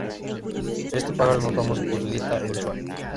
Este pájaro es más famoso por su dieta inusual.